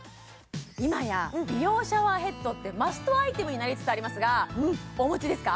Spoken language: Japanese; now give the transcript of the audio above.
今や美容シャワーヘッドってマストアイテムになりつつありますがお持ちですか？